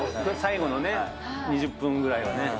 最後の２０分ぐらいはね。